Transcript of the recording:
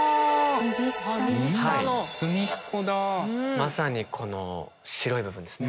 まさにこの白い部分ですね。